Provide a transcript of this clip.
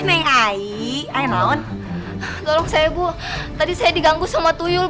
kesian banget tatih itu diganggu sama tuyul